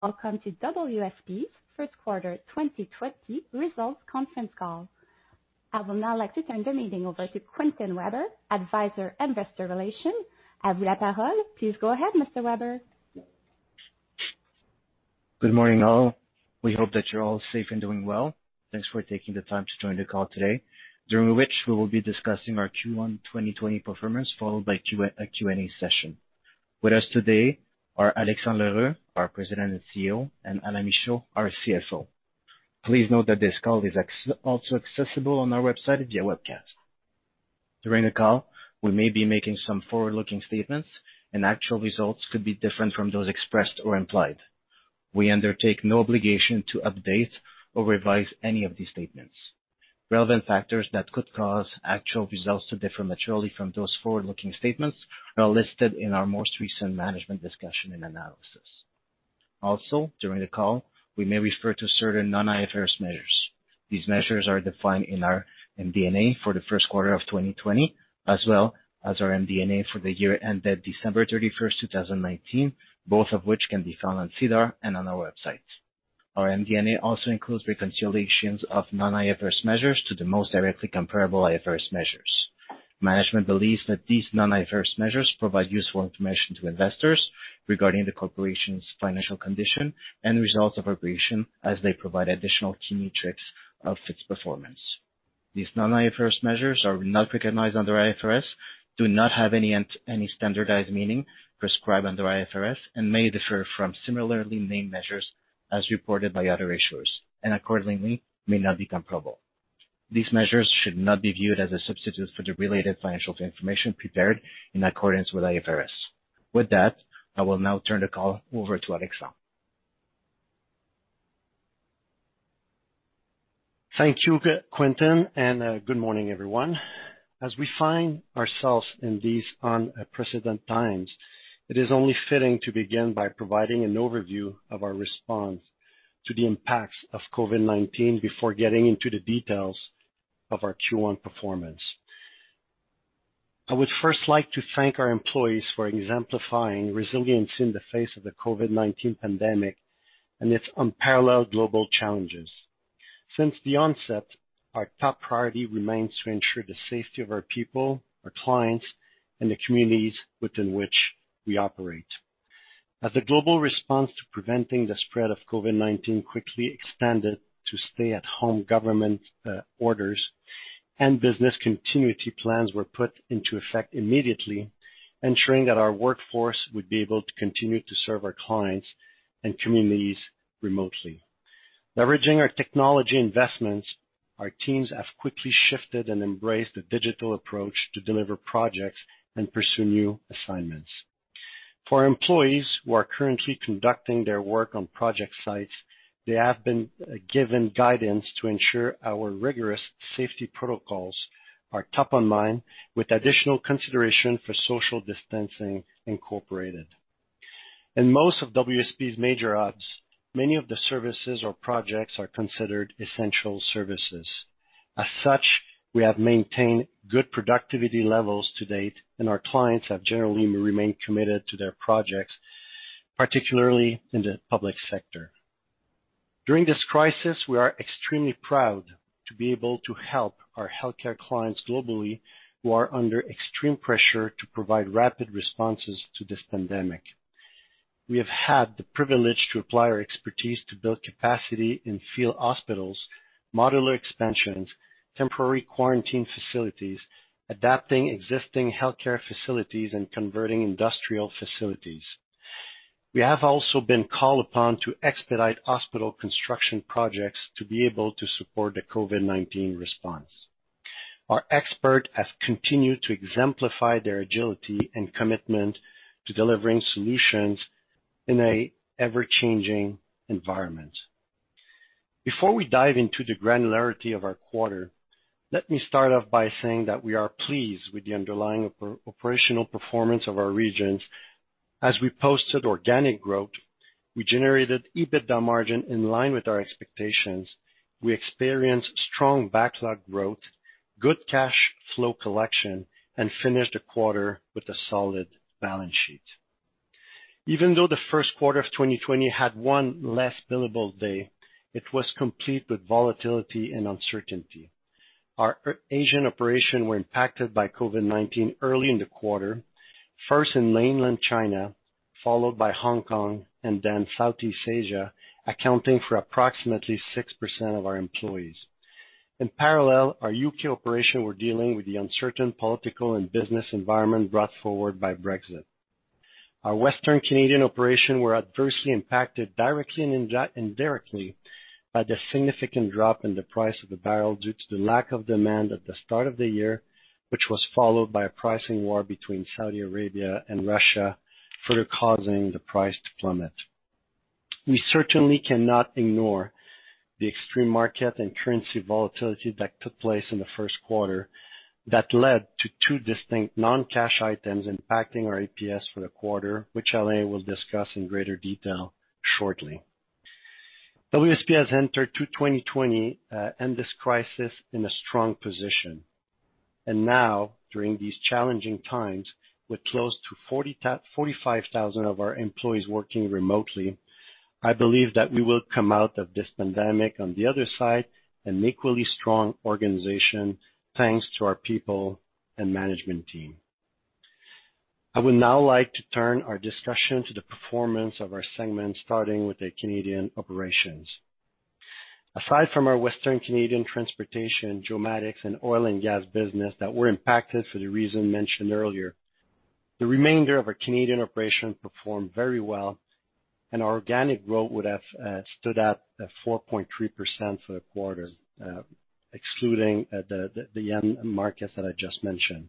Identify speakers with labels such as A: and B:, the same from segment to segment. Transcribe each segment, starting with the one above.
A: Welcome to WSP's First Quarter 2020 Results Conference Call. I would now like to turn the meeting over to Quentin Weber, Advisor, Investor Relations. À vous la parole. Please go ahead, Mr. Weber.
B: Good morning, all. We hope that you're all safe and doing well. Thanks for taking the time to join the call today, during which we will be discussing our Q1 2020 performance, followed by a Q&A session. With us today are Alexandre L'Heureux, our President and CEO, and Alain Michaud, our CFO. Please note that this call is also accessible on our website via webcast. During the call, we may be making some forward-looking statements, and actual results could be different from those expressed or implied. We undertake no obligation to update or revise any of these statements. Relevant factors that could cause actual results to differ materially from those forward-looking statements are listed in our most recent Management's Discussion and Analysis. Also, during the call, we may refer to certain non-IFRS measures. These measures are defined in our MD&A for the first quarter of 2020, as well as our MD&A for the year ended December 31st, 2019, both of which can be found on SEDAR and on our website. Our MD&A also includes reconciliations of non-IFRS measures to the most directly comparable IFRS measures. Management believes that these non-IFRS measures provide useful information to investors regarding the corporation's financial condition and results of operation, as they provide additional key metrics of its performance. These non-IFRS measures are not recognized under IFRS, do not have any standardized meaning prescribed under IFRS, and may differ from similarly named measures as reported by other issuers, and accordingly may not be comparable. These measures should not be viewed as a substitute for the related financial information prepared in accordance with IFRS. With that, I will now turn the call over to Alexandre.
C: Thank you, Quentin, and good morning, everyone. As we find ourselves in these unprecedented times, it is only fitting to begin by providing an overview of our response to the impacts of COVID-19 before getting into the details of our Q1 performance. I would first like to thank our employees for exemplifying resilience in the face of the COVID-19 pandemic and its unparalleled global challenges. Since the onset, our top priority remains to ensure the safety of our people, our clients, and the communities within which we operate. As the global response to preventing the spread of COVID-19 quickly expanded to stay-at-home government orders, and business continuity plans were put into effect immediately, ensuring that our workforce would be able to continue to serve our clients and communities remotely. Leveraging our technology investments, our teams have quickly shifted and embraced a digital approach to deliver projects and pursue new assignments. For our employees who are currently conducting their work on project sites, they have been given guidance to ensure our rigorous safety protocols are top of mind, with additional consideration for social distancing incorporated. In most of WSP's major hubs, many of the services or projects are considered essential services. As such, we have maintained good productivity levels to date, and our clients have generally remained committed to their projects, particularly in the public sector. During this crisis, we are extremely proud to be able to help our healthcare clients globally who are under extreme pressure to provide rapid responses to this pandemic. We have had the privilege to apply our expertise to build capacity in field hospitals, modular expansions, temporary quarantine facilities, adapting existing healthcare facilities, and converting industrial facilities. We have also been called upon to expedite hospital construction projects to be able to support the COVID-19 response. Our experts have continued to exemplify their agility and commitment to delivering solutions in an ever-changing environment. Before we dive into the granularity of our quarter, let me start off by saying that we are pleased with the underlying operational performance of our regions. As we posted organic growth, we generated EBITDA margin in line with our expectations, we experienced strong backlog growth, good cash flow collection, and finished the quarter with a solid balance sheet. Even though the first quarter of 2020 had one less billable day, it was complete with volatility and uncertainty. Our Asian operations were impacted by COVID-19 early in the quarter, first in Mainland China, followed by Hong Kong, and then Southeast Asia, accounting for approximately 6% of our employees. In parallel, our UK operations were dealing with the uncertain political and business environment brought forward by Brexit. Our Western Canadian operations were adversely impacted directly and indirectly by the significant drop in the price of the barrel due to the lack of demand at the start of the year, which was followed by a pricing war between Saudi Arabia and Russia, further causing the price to plummet. We certainly cannot ignore the extreme market and currency volatility that took place in the first quarter that led to two distinct non-cash items impacting our EPS for the quarter, which Alain will discuss in greater detail shortly. WSP has entered 2020 and this crisis in a strong position and now, during these challenging times, with close to 45,000 of our employees working remotely, I believe that we will come out of this pandemic on the other side an equally strong organization thanks to our people and management team. I would now like to turn our discussion to the performance of our segment, starting with the Canadian operations. Aside from our Western Canadian transportation, geomatics, and oil and gas business that were impacted for the reasons mentioned earlier, the remainder of our Canadian operations performed very well, and our organic growth would have stood at 4.3% for the quarter, excluding the markets that I just mentioned.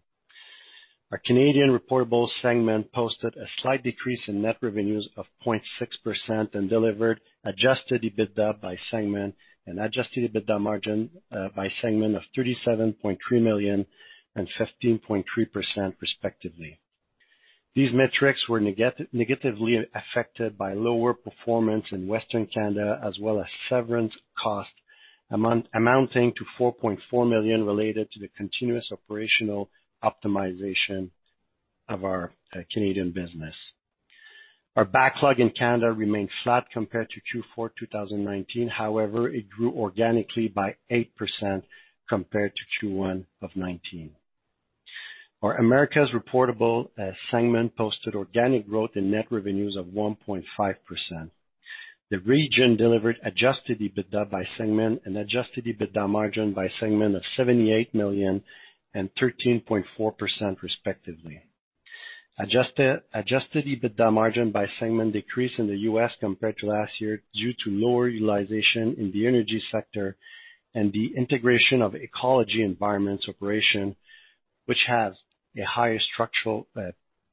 C: Our Canadian reportable segment posted a slight decrease in net revenues of 0.6% and delivered adjusted EBITDA by segment and adjusted EBITDA margin by segment of 37.3 million and 15.3%, respectively. These metrics were negatively affected by lower performance in Western Canada, as well as severance costs amounting to 4.4 million related to the continuous operational optimization of our Canadian business. Our backlog in Canada remained flat compared to Q4 2019. However, it grew organically by 8% compared to Q1 of 2019. Our Americas reportable segment posted organic growth in net revenues of 1.5%. The region delivered Adjusted EBITDA by segment and Adjusted EBITDA margin by segment of 78 million and 13.4%, respectively. Adjusted EBITDA margin by segment decreased in the U.S. compared to last year due to lower utilization in the energy sector and the integration of LT Environmental operation, which has a higher structural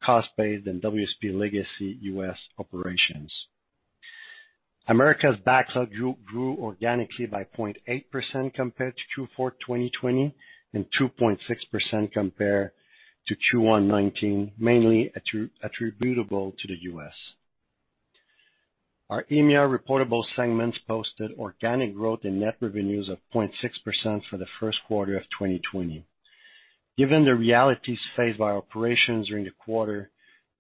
C: cost base than WSP legacy U.S. operations. Americas backlog grew organically by 0.8% compared to Q4 2020 and 2.6% compared to Q1 2019, mainly attributable to the U.S. Our EMEA reportable segments posted organic growth in net revenues of 0.6% for the first quarter of 2020. Given the realities faced by operations during the quarter,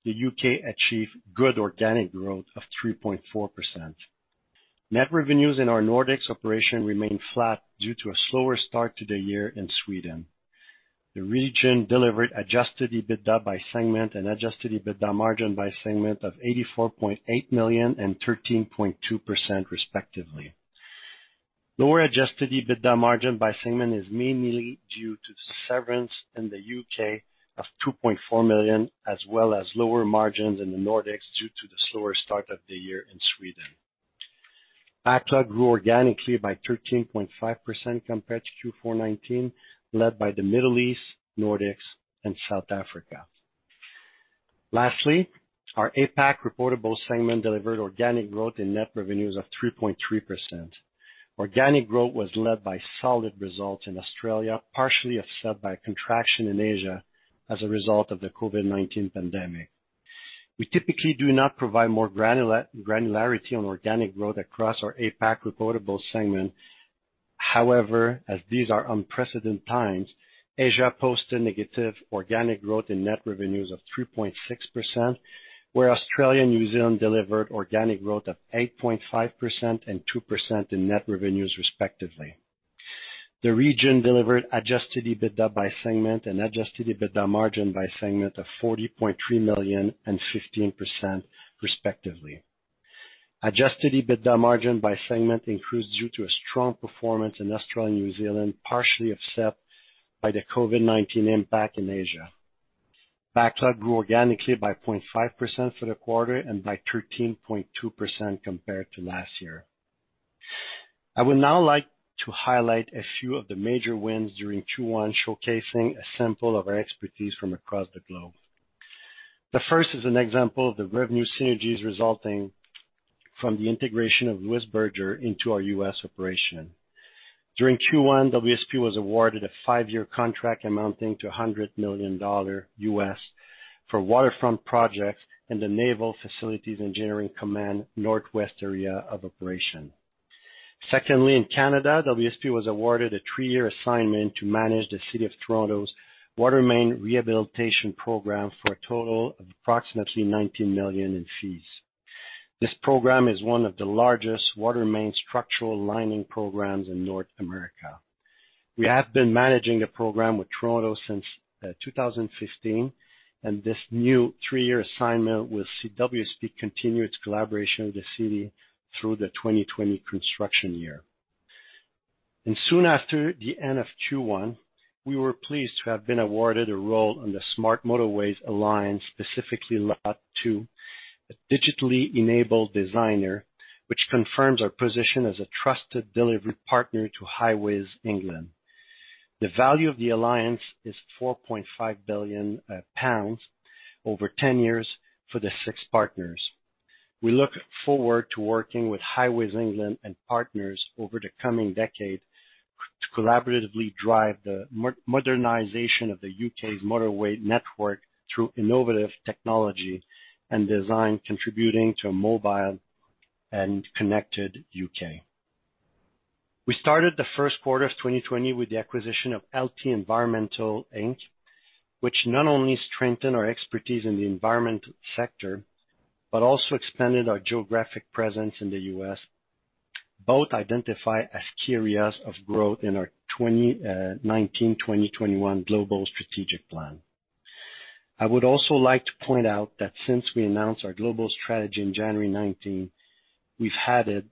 C: the U.K. achieved good organic growth of 3.4%. Net revenues in our Nordics operation remained flat due to a slower start to the year in Sweden. The region delivered adjusted EBITDA by segment and adjusted EBITDA margin by segment of 84.8 million and 13.2%, respectively. Lower adjusted EBITDA margin by segment is mainly due to severance in the UK of 2.4 million, as well as lower margins in the Nordics due to the slower start of the year in Sweden. Backlog grew organically by 13.5% compared to Q4 2019, led by the Middle East, Nordics, and South Africa. Lastly, our APAC reportable segment delivered organic growth in net revenues of 3.3%. Organic growth was led by solid results in Australia, partially offset by a contraction in Asia as a result of the COVID-19 pandemic. We typically do not provide more granularity on organic growth across our APAC reportable segment. However, as these are unprecedented times, Asia posted negative organic growth in net revenues of 3.6%, where Australia and New Zealand delivered organic growth of 8.5% and 2% in net revenues, respectively. The region delivered Adjusted EBITDA by segment and Adjusted EBITDA margin by segment of 40.3 million and 15%, respectively. Adjusted EBITDA margin by segment increased due to a strong performance in Australia and New Zealand, partially offset by the COVID-19 impact in Asia. Backlog grew organically by 0.5% for the quarter and by 13.2% compared to last year. I would now like to highlight a few of the major wins during Q1, showcasing a sample of our expertise from across the globe. The first is an example of the revenue synergies resulting from the integration of Louis Berger into our U.S. operation. During Q1, WSP was awarded a five-year contract amounting to $100 million for waterfront projects and the Naval Facilities Engineering Command Northwest area of operation. Secondly, in Canada, WSP was awarded a three-year assignment to manage the City of Toronto's Watermain Rehabilitation Program for a total of approximately 19 million in fees. This program is one of the largest water main structural lining programs in North America. We have been managing the program with Toronto since 2015, and this new three-year assignment will see WSP continue its collaboration with the city through the 2020 construction year. Soon after the end of Q1, we were pleased to have been awarded a role on the Smart Motorways Alliance, specifically Lot 2, a Digitally Enabled Designer, which confirms our position as a trusted delivery partner to Highways England. The value of the alliance is 4.5 billion pounds over 10 years for the six partners. We look forward to working with Highways England and partners over the coming decade to collaboratively drive the modernization of the U.K.'s motorway network through innovative technology and design, contributing to a mobile and connected U.K. We started the first quarter of 2020 with the amortization of LT Environmental, Inc., which not only strengthened our expertise in the environmental sector but also expanded our geographic presence in the U.S. Both identify as key areas of growth in our 2019-2021 Global Strategic Plan. I would also like to point out that since we announced our Global Strategy in January 2019, we've added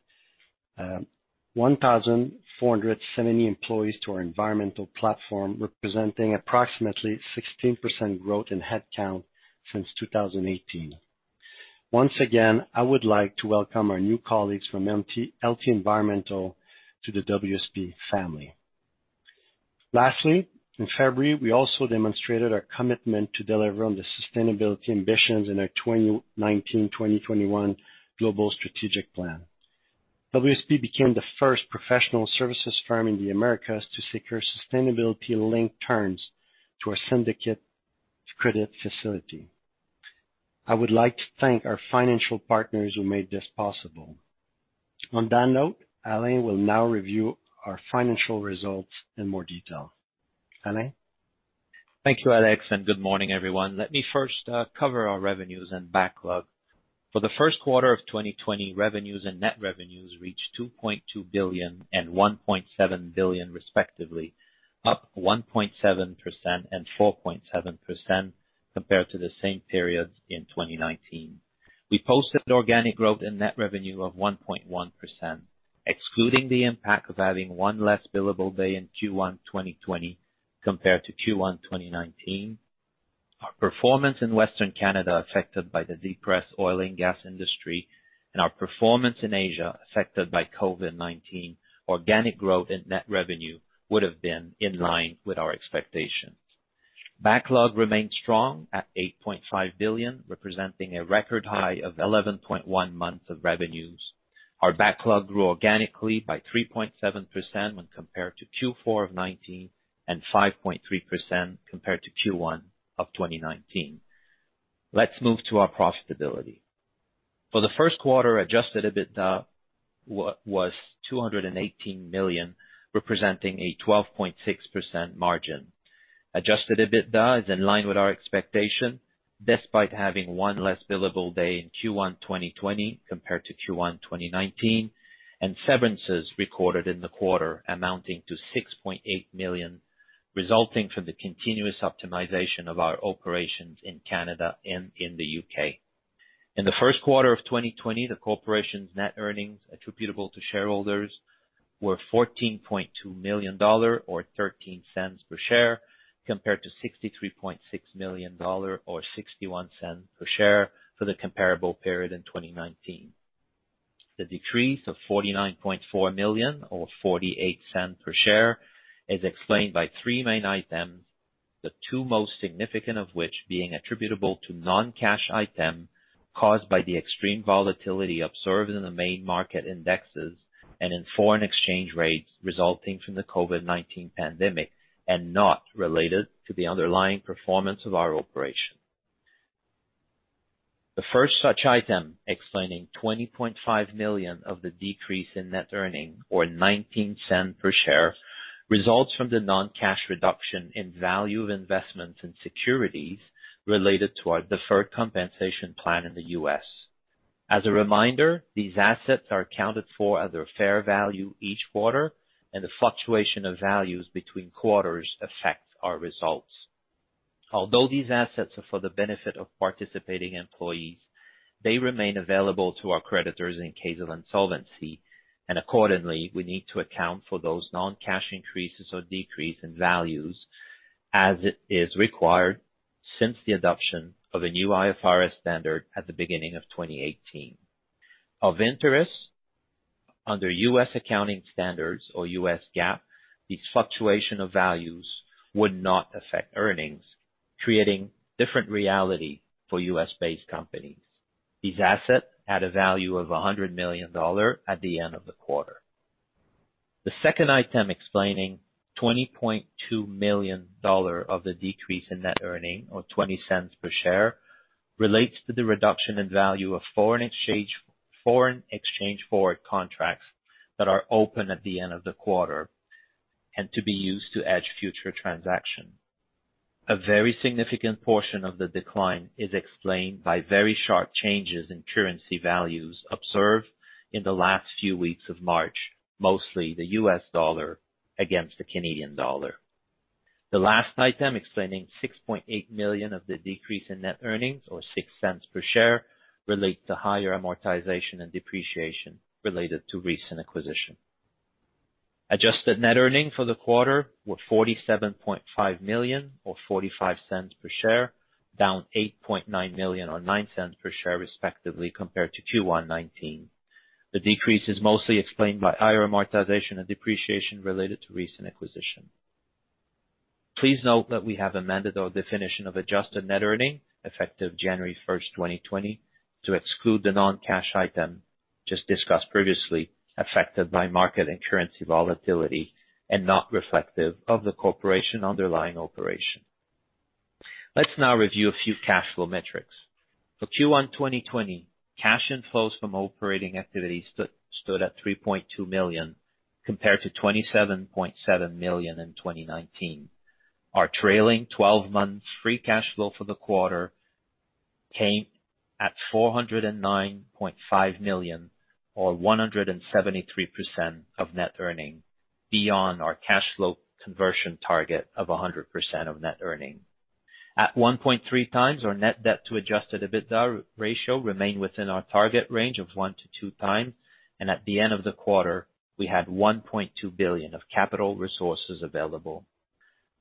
C: 1,470 employees to our environmental platform, representing approximately 16% growth in headcount since 2018. Once again, I would like to welcome our new colleagues from LT Environmental to the WSP family. Lastly, in February, we also demonstrated our commitment to deliver on the sustainability ambitions in our 2019-2021 Global Strategic Plan. WSP became the first professional services firm in the Americas to secure sustainability-linked terms to our syndicated credit facility. I would like to thank our financial partners who made this possible. On that note, Alain will now review our financial results in more detail. Alain?
D: Thank you, Alex, and good morning, everyone. Let me first cover our revenues and backlog. For the first quarter of 2020, revenues and net revenues reached 2.2 billion and 1.7 billion, respectively, up 1.7% and 4.7% compared to the same period in 2019. We posted organic growth in net revenue of 1.1%, excluding the impact of having one less billable day in Q1 2020 compared to Q1 2019. Our performance in Western Canada, affected by the depressed oil and gas industry, and our performance in Asia, affected by COVID-19, organic growth in net revenue would have been in line with our expectations. Backlog remained strong at 8.5 billion, representing a record high of 11.1 months of revenues. Our backlog grew organically by 3.7% when compared to Q4 of 2019 and 5.3% compared to Q1 of 2019. Let's move to our profitability. For the first quarter, Adjusted EBITDA was 218 million, representing a 12.6% margin. Adjusted EBITDA is in line with our expectation, despite having one less billable day in Q1 2020 compared to Q1 2019, and severances recorded in the quarter amounting to 6.8 million, resulting from the continuous optimization of our operations in Canada and in the UK. In the first quarter of 2020, the corporation's net earnings attributable to shareholders were $14.2 million or $0.13 per share compared to $63.6 million or $0.61 per share for the comparable period in 2019. The decrease of $49.4 million or $0.48 per share is explained by three main items, the two most significant of which being attributable to non-cash items caused by the extreme volatility observed in the main market indexes and in foreign exchange rates resulting from the COVID-19 pandemic and not related to the underlying performance of our operations. The first such item, explaining $20.5 million of the decrease in net earnings or $0.19 per share, results from the non-cash reduction in value of investments and securities related to our deferred compensation plan in the U.S. As a reminder, these assets are accounted for at their fair value each quarter, and the fluctuation of values between quarters affects our results. Although these assets are for the benefit of participating employees, they remain available to our creditors in case of insolvency, and accordingly, we need to account for those non-cash increases or decreases in values as it is required since the adoption of a new IFRS standard at the beginning of 2018. Of interest, under U.S. accounting standards or U.S. GAAP, these fluctuations of values would not affect earnings, creating different reality for U.S.-based companies. These assets had a value of $100 million at the end of the quarter. The second item explaining 20.2 million dollar of the decrease in net earnings or 0.20 per share relates to the reduction in value of foreign exchange forward contracts that are open at the end of the quarter and to be used to hedge future transactions. A very significant portion of the decline is explained by very sharp changes in currency values observed in the last few weeks of March, mostly the U.S. dollar against the Canadian dollar. The last item explaining 6.8 million of the decrease in net earnings or 0.06 per share relates to higher amortization and depreciation related to recent acquisitions. Adjusted net earnings for the quarter were 47.5 million or 0.45 per share, down 8.9 million or 0.09 per share, respectively, compared to Q1 2019. The decrease is mostly explained by higher amortization and depreciation related to recent acquisitions. Please note that we have amended our definition of Adjusted Net Earnings effective January 1, 2020, to exclude the non-cash item just discussed previously, affected by market and currency volatility and not reflective of the corporation's underlying operation. Let's now review a few cash flow metrics. For Q1 2020, cash inflows from operating activity stood at 3.2 million compared to 27.7 million in 2019. Our trailing 12-month free cash flow for the quarter came at 409.5 million or 173% of net earnings, beyond our cash flow conversion target of 100% of net earnings. At 1.3 times, our net debt to Adjusted EBITDA ratio remained within our target range of one to two times, and at the end of the quarter, we had 1.2 billion of capital resources available.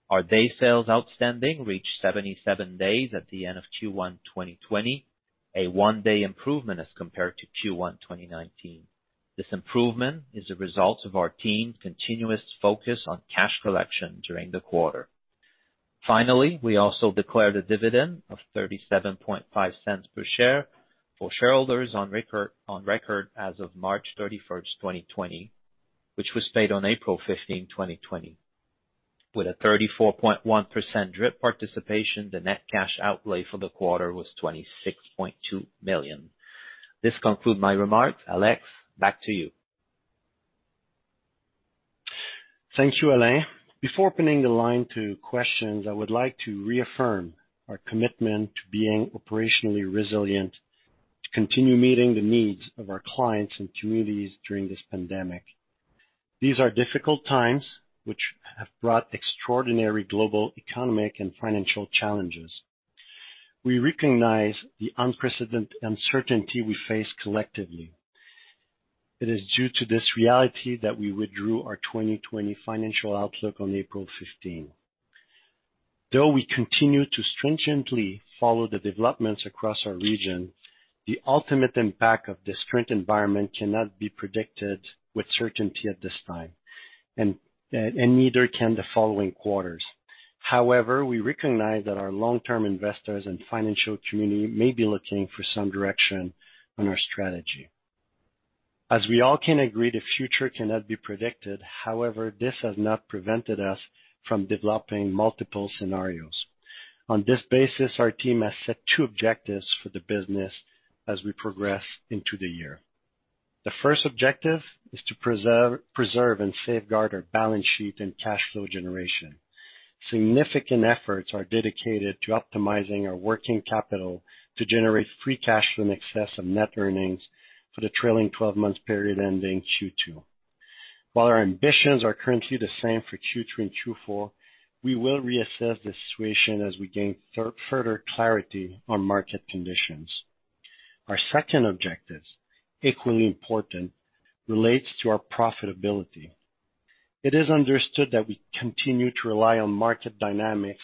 D: Our Days Sales Outstanding reached 77 days at the end of Q1 2020, a one-day improvement as compared to Q1 2019. This improvement is the result of our team's continuous focus on cash collection during the quarter. Finally, we also declared a dividend of 0.375 per share for shareholders on record as of March 31, 2020, which was paid on April 15, 2020. With a 34.1% DRIP participation, the net cash outlay for the quarter was 26.2 million. This concludes my remarks. Alex, back to you.
C: Thank you, Alain. Before opening the line to questions, I would like to reaffirm our commitment to being operationally resilient to continue meeting the needs of our clients and communities during this pandemic. These are difficult times, which have brought extraordinary global economic and financial challenges. We recognize the unprecedented uncertainty we face collectively. It is due to this reality that we withdrew our 2020 financial outlook on April 15. Though we continue to stringently follow the developments across our region, the ultimate impact of this current environment cannot be predicted with certainty at this time, and neither can the following quarters. However, we recognize that our long-term investors and financial community may be looking for some direction on our strategy. As we all can agree, the future cannot be predicted. However, this has not prevented us from developing multiple scenarios. On this basis, our team has set two objectives for the business as we progress into the year. The first objective is to preserve and safeguard our balance sheet and cash flow generation. Significant efforts are dedicated to optimizing our working capital to generate free cash flow in excess of net earnings for the trailing 12-month period ending Q2. While our ambitions are currently the same for Q2 and Q4, we will reassess the situation as we gain further clarity on market conditions. Our second objective, equally important, relates to our profitability. It is understood that we continue to rely on market dynamics,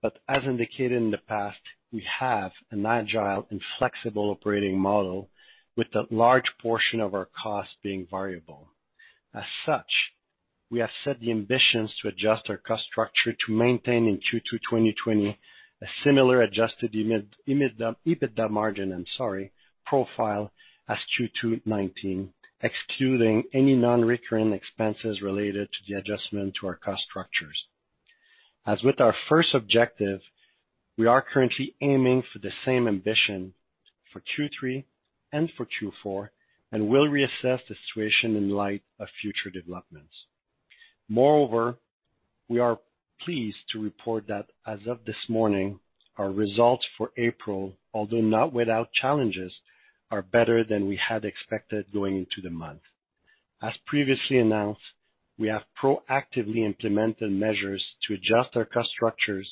C: but as indicated in the past, we have an agile and flexible operating model with a large portion of our costs being variable. As such, we have set the ambitions to adjust our cost structure to maintain in Q2 2020 a similar Adjusted EBITDA profile as Q2 2019, excluding any non-recurring expenses related to the adjustment to our cost structures. As with our first objective, we are currently aiming for the same ambition for Q3 and for Q4 and will reassess the situation in light of future developments. Moreover, we are pleased to report that as of this morning, our results for April, although not without challenges, are better than we had expected going into the month. As previously announced, we have proactively implemented measures to adjust our cost structures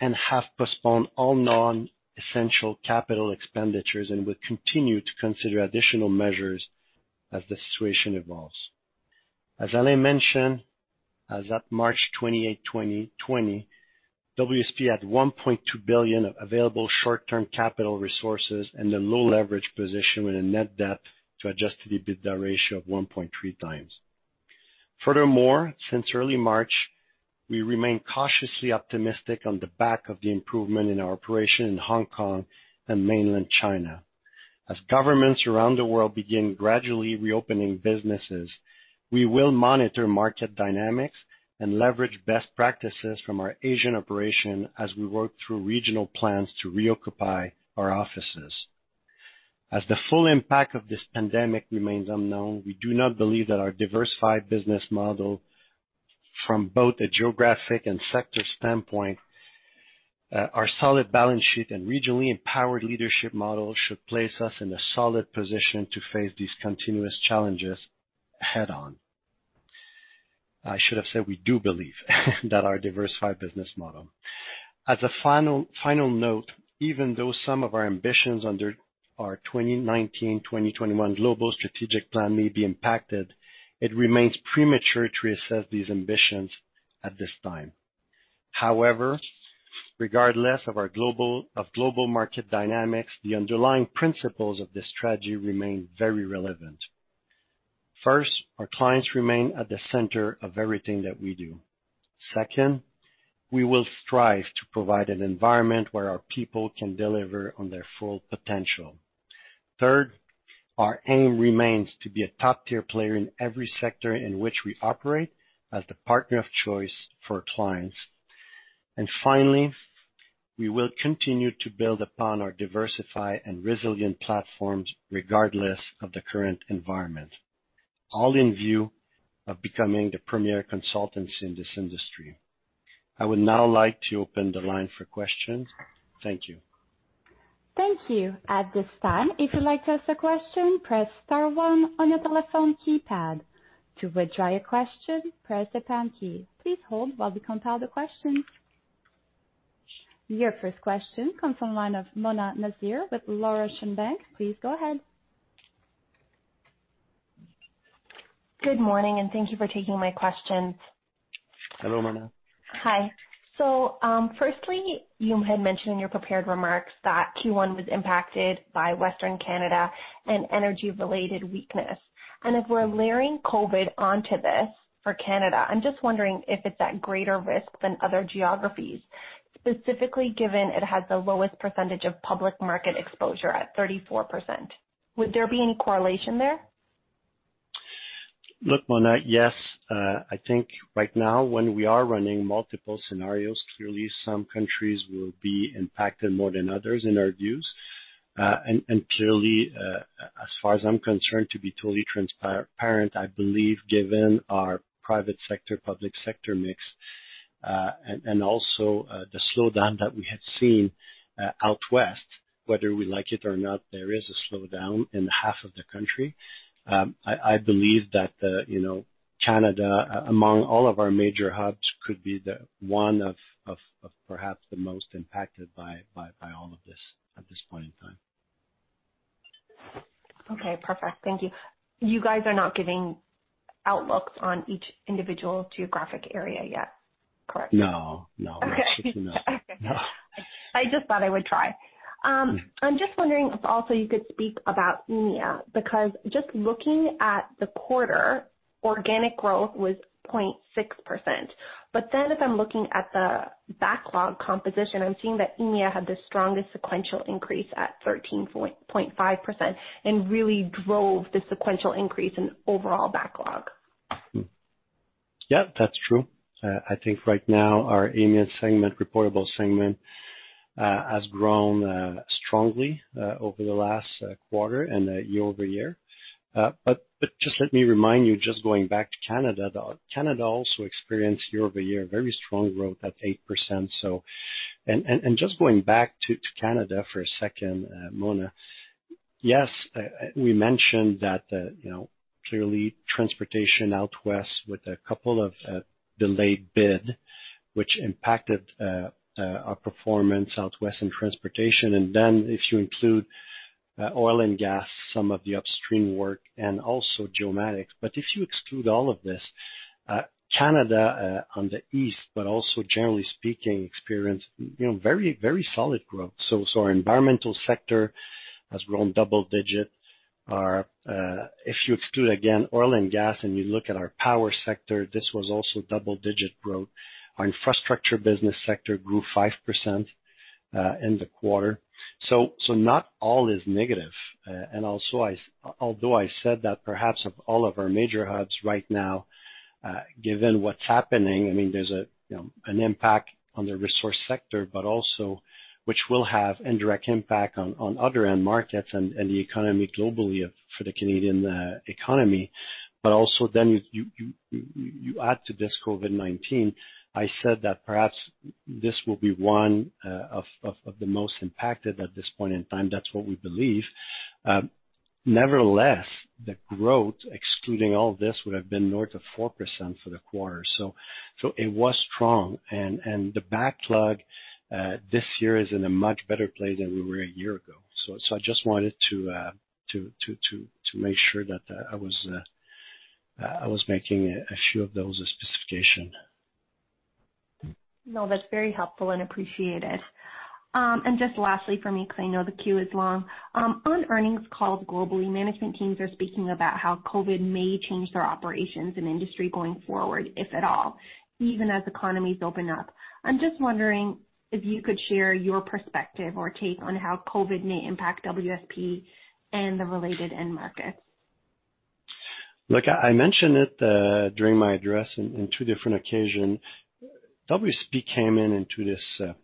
C: and have postponed all non-essential capital expenditures and will continue to consider additional measures as the situation evolves. As Alain mentioned, as of March 28, 2020, WSP had 1.2 billion of available short-term capital resources and a low-leverage position with a net debt to Adjusted EBITDA ratio of 1.3 times. Furthermore, since early March, we remain cautiously optimistic on the back of the improvement in our operation in Hong Kong and mainland China. As governments around the world begin gradually reopening businesses, we will monitor market dynamics and leverage best practices from our Asian operation as we work through regional plans to reoccupy our offices. As the full impact of this pandemic remains unknown, we do not believe that our diversified business model, from both a geographic and sector standpoint, our solid balance sheet, and regionally empowered leadership model should place us in a solid position to face these continuous challenges head-on. I should have said we do believe that our diversified business model. As a final note, even though some of our ambitions under our 2019-2021 Global Strategic Plan may be impacted, it remains premature to reassess these ambitions at this time. However, regardless of our global market dynamics, the underlying principles of this strategy remain very relevant. First, our clients remain at the center of everything that we do. Second, we will strive to provide an environment where our people can deliver on their full potential. Third, our aim remains to be a top-tier player in every sector in which we operate as the partner of choice for our clients. And finally, we will continue to build upon our diversified and resilient platforms regardless of the current environment, all in view of becoming the premier consultancy in this industry. I would now like to open the line for questions. Thank you.
A: Thank you. At this time, if you'd like to ask a question, press star one on your telephone keypad. To withdraw your question, press the pound key. Please hold while we compile the questions. Your first question comes from Mona Nazir with Laurentian Bank Securities. Please go ahead.
E: Good morning, and thank you for taking my question.
C: Hello, Mona.
E: Hi. So firstly, you had mentioned in your prepared remarks that Q1 was impacted by Western Canada and energy-related weakness. If we're layering COVID onto this for Canada, I'm just wondering if it's at greater risk than other geographies, specifically given it has the lowest percentage of public market exposure at 34%. Would there be any correlation there?
C: Look, Mona, yes. I think right now, when we are running multiple scenarios, clearly some countries will be impacted more than others in our views. And clearly, as far as I'm concerned, to be totally transparent, I believe given our private sector-public sector mix and also the slowdown that we have seen out west, whether we like it or not, there is a slowdown in half of the country. I believe that Canada, among all of our major hubs, could be one of perhaps the most impacted by all of this at this point in time.
E: Okay. Perfect. Thank you. You guys are not giving outlooks on each individual geographic area yet, correct?
C: No, no.
E: Good to know. Okay. I just thought I would try. I'm just wondering if also you could speak about EMEA because just looking at the quarter, organic growth was 0.6%. But then if I'm looking at the backlog composition, I'm seeing that EMEA had the strongest sequential increase at 13.5% and really drove the sequential increase in overall backlog. Yep, that's true. I think right now our EMEA segment, reportable segment, has grown strongly over the last quarter and year over year. But just let me remind you, just going back to Canada, Canada also experienced year over year very strong growth at 8%. Just going back to Canada for a second, Mona, yes, we mentioned that clearly transportation out west with a couple of delayed bids, which impacted our performance out west in transportation. Then if you include oil and gas, some of the upstream work, and also geomatics. If you exclude all of this, Canada on the east, but also generally speaking, experienced very solid growth. Our environmental sector has grown double-digit. If you exclude again oil and gas and you look at our power sector, this was also double-digit growth. Our infrastructure business sector grew 5% in the quarter. Not all is negative. And also, although I said that perhaps of all of our major hubs right now, given what's happening, I mean, there's an impact on the resource sector, but also which will have indirect impact on other end markets and the economy globally for the Canadian economy, but also then you add to this COVID-19. I said that perhaps this will be one of the most impacted at this point in time. That's what we believe. Nevertheless, the growth, excluding all this, would have been north of 4% for the quarter, so it was strong, and the backlog this year is in a much better place than we were a year ago, so I just wanted to make sure that I was making a few of those specifications. No, that's very helpful and appreciated. And just lastly for me, because I know the queue is long, on earnings calls globally, management teams are speaking about how COVID may change their operations and industry going forward, if at all, even as economies open up. I'm just wondering if you could share your perspective or take on how COVID may impact WSP and the related end markets?
C: Look, I mentioned it during my address on two different occasions. WSP came into this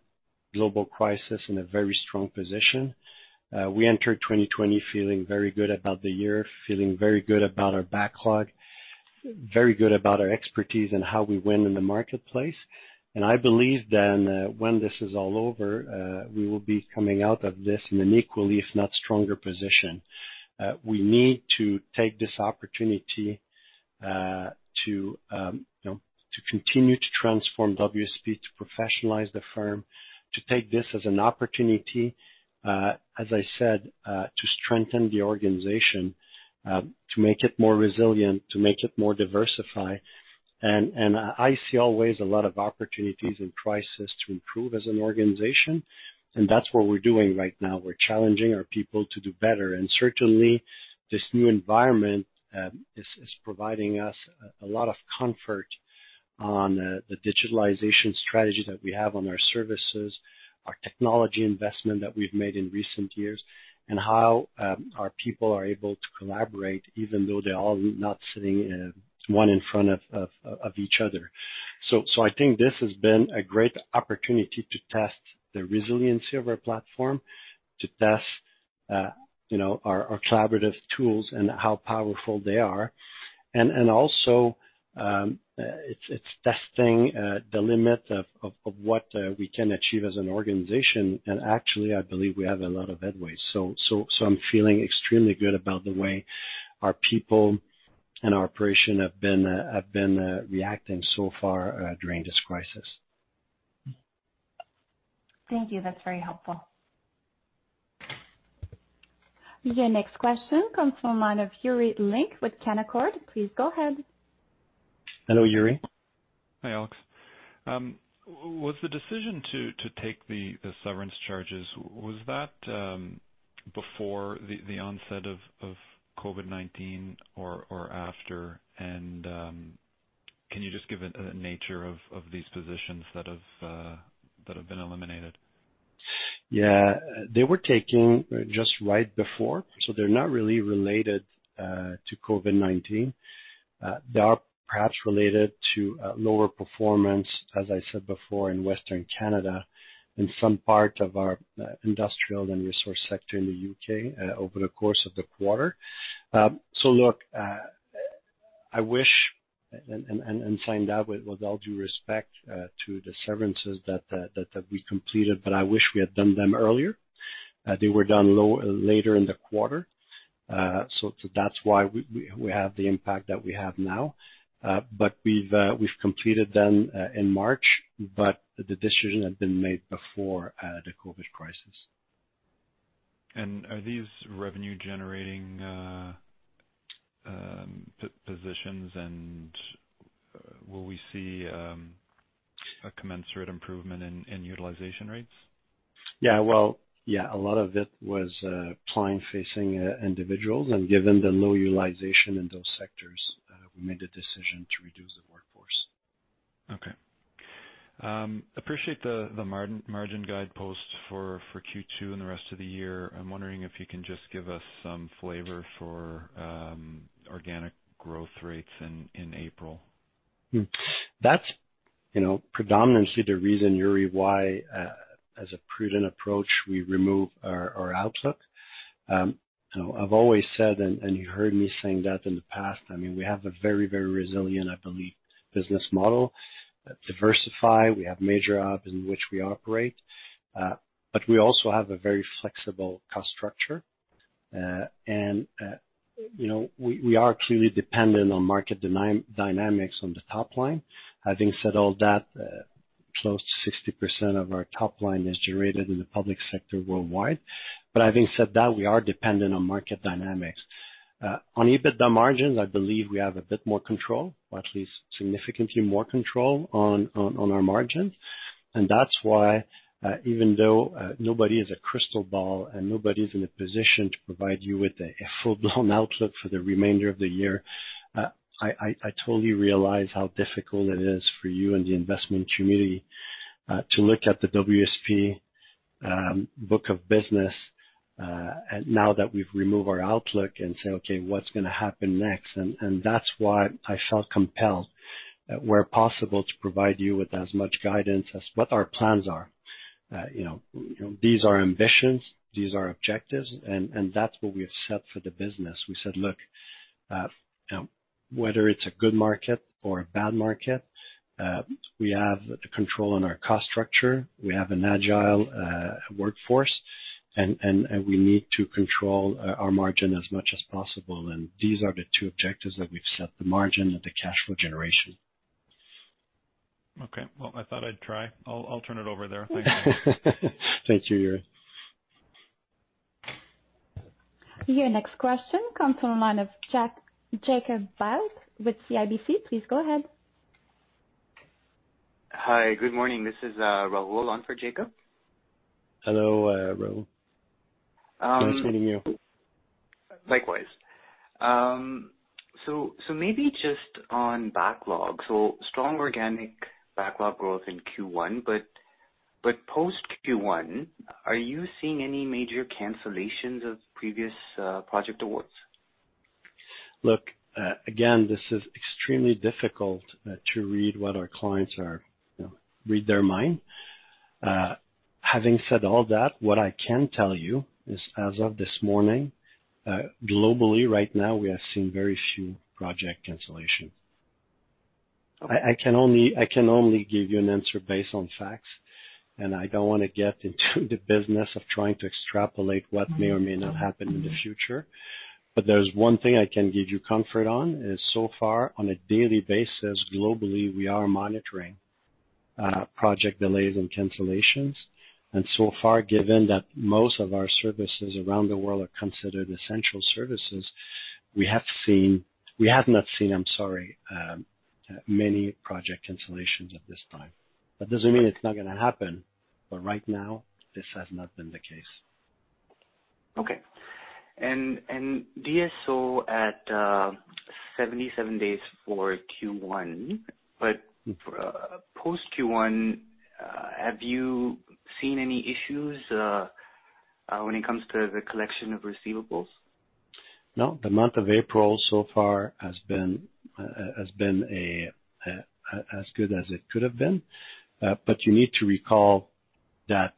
C: global crisis in a very strong position. We entered 2020 feeling very good about the year, feeling very good about our backlog, very good about our expertise and how we win in the marketplace. And I believe then when this is all over, we will be coming out of this in an equally, if not stronger, position. We need to take this opportunity to continue to transform WSP, to professionalize the firm, to take this as an opportunity, as I said, to strengthen the organization, to make it more resilient, to make it more diversified. And I see always a lot of opportunities in crisis to improve as an organization. And that's what we're doing right now. We're challenging our people to do better. And certainly, this new environment is providing us a lot of comfort on the digitalization strategy that we have on our services, our technology investment that we've made in recent years, and how our people are able to collaborate even though they're all not sitting one in front of each other. So I think this has been a great opportunity to test the resiliency of our platform, to test our collaborative tools and how powerful they are. And also, it's testing the limit of what we can achieve as an organization. And actually, I believe we have a lot of headway. So I'm feeling extremely good about the way our people and our operation have been reacting so far during this crisis.
E: Thank you. That's very helpful.
A: Your next question comes from Yuri Lynk with Canaccord. Please go ahead.
C: Hello, Yuri.
F: Hi, Alex. Was the decision to take the severance charges, was that before the onset of COVID-19 or after? And can you just give the nature of these positions that have been eliminated? Yeah. They were taken just right before. So they're not really related to COVID-19. They are perhaps related to lower performance, as I said before, in Western Canada and some part of our industrial and resource sector in the U.K. over the course of the quarter. So look, I wish, in hindsight, with all due respect to the severances that we completed, but I wish we had done them earlier. They were done later in the quarter. So that's why we have the impact that we have now. But we've completed them in March, but the decision had been made before the COVID crisis. And are these revenue-generating positions, and will we see a commensurate improvement in utilization rates?
C: Yeah. Well, yeah, a lot of it was client-facing individuals. And given the low utilization in those sectors, we made the decision to reduce the workforce. Okay. Appreciate the margin guidance for Q2 and the rest of the year. I'm wondering if you can just give us some flavor for organic growth rates in April.
D: That's predominantly the reason, Yuri, why as a prudent approach, we remove our outlook. I've always said, and you heard me saying that in the past, I mean, we have a very, very resilient, I believe, business model. Diversify. We have major hubs in which we operate. But we also have a very flexible cost structure. And we are clearly dependent on market dynamics on the top line. Having said all that, close to 60% of our top line is generated in the public sector worldwide. But having said that, we are dependent on market dynamics. On EBITDA margins, I believe we have a bit more control, or at least significantly more control on our margins. And that's why even though nobody is a crystal ball and nobody's in a position to provide you with a full-blown outlook for the remainder of the year, I totally realize how difficult it is for you and the investment community to look at the WSP book of business now that we've removed our outlook and say, "Okay, what's going to happen next?" And that's why I felt compelled, where possible, to provide you with as much guidance as what our plans are. These are ambitions. These are objectives. And that's what we have set for the business. We said, "Look, whether it's a good market or a bad market, we have control on our cost structure. We have an agile workforce. And we need to control our margin as much as possible." And these are the two objectives that we've set: the margin and the cash flow generation.
F: Okay. I thought I'd try. I'll turn it over there. Thank you.
C: Thank you, Yuri.
A: Your next question comes from Jacob Bout with CIBC. Please go ahead.
G: Hi. Good morning. This is Rahul on for Jacob.
C: Hello, Rahul. Nice meeting you.
G: Likewise. So maybe just on backlog. So strong organic backlog growth in Q1. But post Q1, are you seeing any major cancellations of previous project awards?
C: Look, again, this is extremely difficult to read their minds. Having said all that, what I can tell you is as of this morning, globally, right now, we have seen very few project cancellations. I can only give you an answer based on facts. And I don't want to get into the business of trying to extrapolate what may or may not happen in the future. But there's one thing I can give you comfort on is so far, on a daily basis, globally, we are monitoring project delays and cancellations. And so far, given that most of our services around the world are considered essential services, we have not seen, I'm sorry, many project cancellations at this time. That doesn't mean it's not going to happen. But right now, this has not been the case.
G: Okay. And DSO at 77 days for Q1. But post Q1, have you seen any issues when it comes to the collection of receivables?
C: No. The month of April so far has been as good as it could have been. But you need to recall that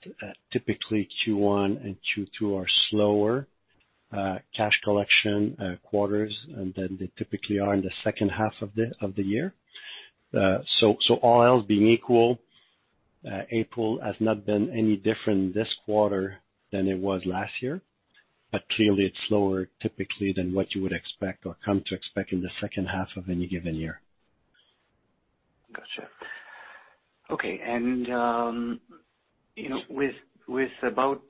C: typically Q1 and Q2 are slower cash collection quarters than they typically are in the second half of the year. So all else being equal, April has not been any different this quarter than it was last year. But clearly, it's slower typically than what you would expect or come to expect in the second half of any given year.
G: Gotcha. Okay. And with about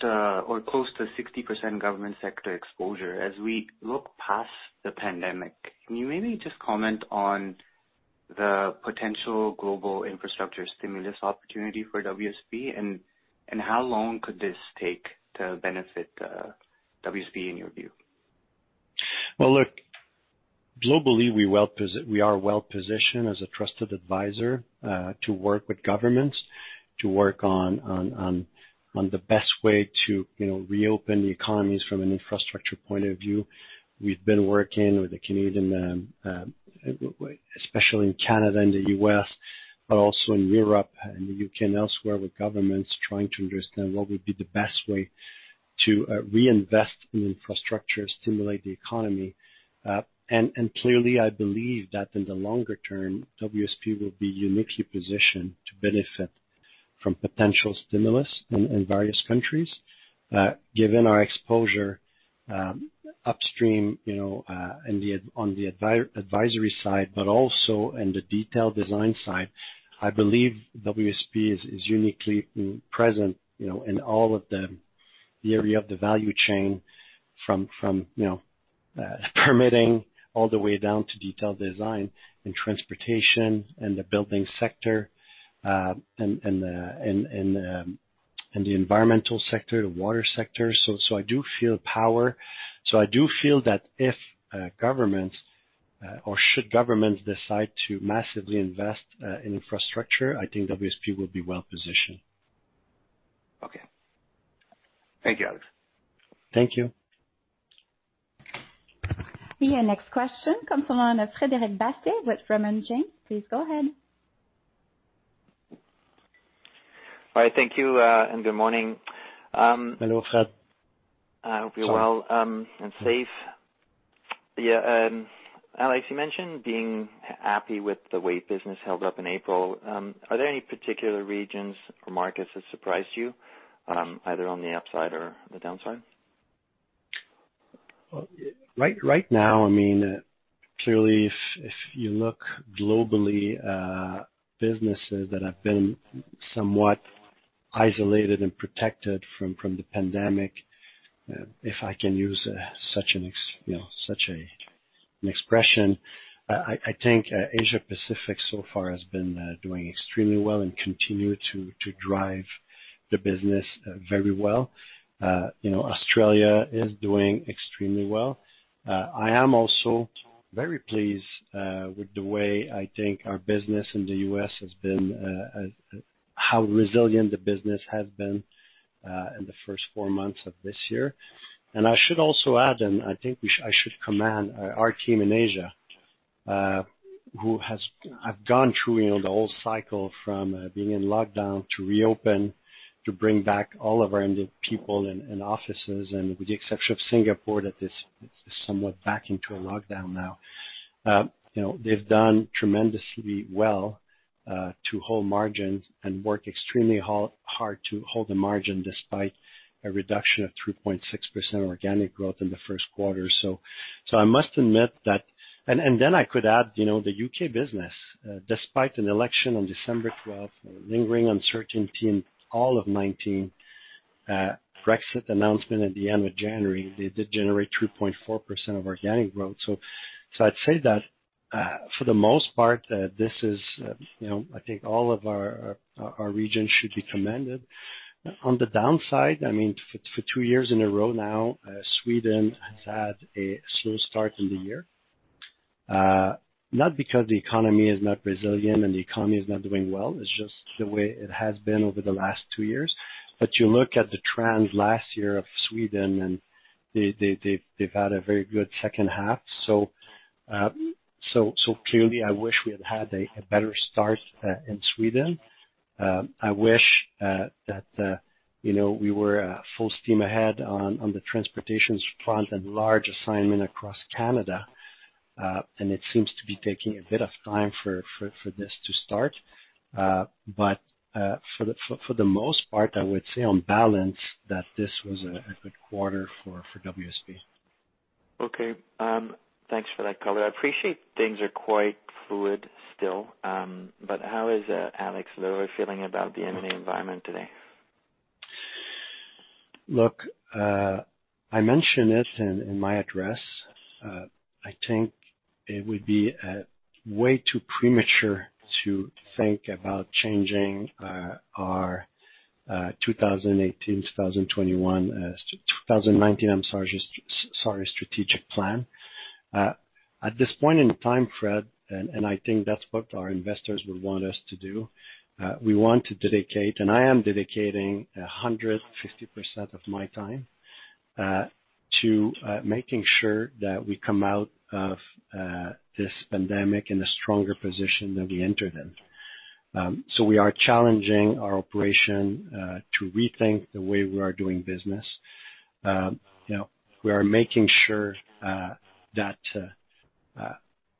G: or close to 60% government sector exposure, as we look past the pandemic, can you maybe just comment on the potential global infrastructure stimulus opportunity for WSP? And how long could this take to benefit WSP in your view?
C: Well, look, globally, we are well positioned as a trusted advisor to work with governments to work on the best way to reopen the economies from an infrastructure point of view. We've been working with the Canadians, especially in Canada and the U.S., but also in Europe and the U.K. and elsewhere with governments trying to understand what would be the best way to reinvest in infrastructure, stimulate the economy. Clearly, I believe that in the longer term, WSP will be uniquely positioned to benefit from potential stimulus in various countries. Given our exposure upstream on the advisory side, but also in the detailed design side, I believe WSP is uniquely present in all of the areas of the value chain from permitting all the way down to detailed design and transportation and the building sector and the environmental sector, the water sector. I do feel that if governments decide to massively invest in infrastructure, I think WSP will be well positioned.
G: Okay. Thank you, Alex.
C: Thank you.
A: Your next question comes from the line of Frédéric Bastien with Raymond James. Please go ahead.
H: Hi. Thank you. And good morning.
C: Hello, Fred. I hope you're well and safe.
H: Yeah. Alex, you mentioned being happy with the way business held up in April. Are there any particular regions or markets that surprised you, either on the upside or the downside?
D: Right now, I mean, clearly, if you look globally, businesses that have been somewhat isolated and protected from the pandemic, if I can use such an expression, I think Asia-Pacific so far has been doing extremely well and continues to drive the business very well. Australia is doing extremely well. I am also very pleased with the way I think our business in the U.S. has been, how resilient the business has been in the first four months of this year. And I should also add, and I think I should commend our team in Asia who has gone through the whole cycle from being in lockdown to reopen to bring back all of our people and offices. And with the exception of Singapore, that is somewhat back into a lockdown now. They've done tremendously well to hold margins and work extremely hard to hold the margin despite a reduction of 3.6% organic growth in the first quarter. So I must admit that. And then I could add the UK business. Despite an election on December 12th, lingering uncertainty in all of 2019, Brexit announcement at the end of January, they did generate 3.4% of organic growth. So I'd say that for the most part, this is I think all of our regions should be commended. On the downside, I mean, for two years in a row now, Sweden has had a slow start in the year. Not because the economy is not resilient and the economy is not doing well. It's just the way it has been over the last two years. But you look at the trend last year of Sweden, and they've had a very good second half. So clearly, I wish we had had a better start in Sweden. I wish that we were full steam ahead on the transportation front and large assignments across Canada. And it seems to be taking a bit of time for this to start. But for the most part, I would say on balance that this was a good quarter for WSP.
H: Okay. Thanks for that, Alain. I appreciate things are quite fluid still. But how is Alexandre L'Heureux feeling about the M&A environment today?
C: Look, I mentioned this in my address. I think it would be way too premature to think about changing our 2018, 2021, 2019, I'm sorry, strategic plan. At this point in time, Fred, and I think that's what our investors would want us to do, we want to dedicate, and I am dedicating 150% of my time to making sure that we come out of this pandemic in a stronger position than we entered in. So we are challenging our operation to rethink the way we are doing business. We are making sure that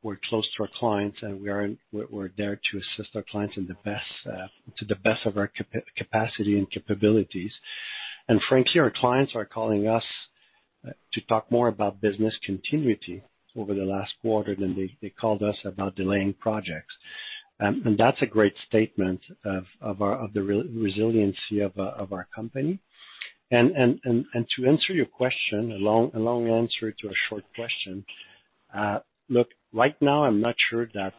C: we're close to our clients and we're there to assist our clients to the best of our capacity and capabilities, and frankly, our clients are calling us to talk more about business continuity over the last quarter than they called us about delaying projects, and that's a great statement of the resiliency of our company. And to answer your question, a long answer to a short question, look, right now, I'm not sure that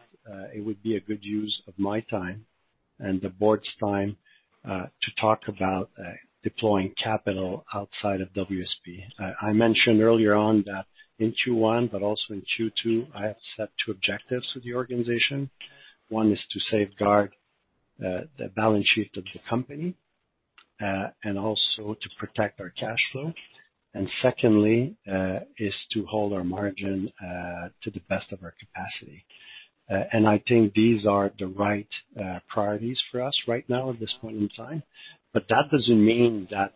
C: it would be a good use of my time and the board's time to talk about deploying capital outside of WSP. I mentioned earlier on that in Q1, but also in Q2, I have set two objectives with the organization. One is to safeguard the balance sheet of the company and also to protect our cash flow. And secondly is to hold our margin to the best of our capacity. And I think these are the right priorities for us right now at this point in time. But that doesn't mean that